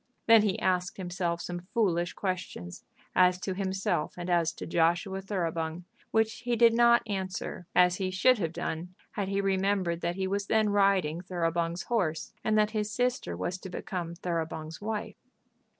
Then he asked himself some foolish questions as to himself and as to Joshua Thoroughbung, which he did not answer as he should have done, had he remembered that he was then riding Thoroughbung's horse, and that his sister was to become Thoroughbung's wife.